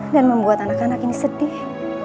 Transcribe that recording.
dan membuat anak anak ini sedih